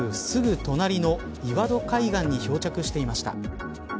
すぐ隣の岩戸海岸に漂着していました。